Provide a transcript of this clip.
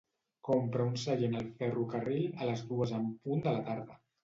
Compra un seient al ferrocarril a les dues en punt de la tarda.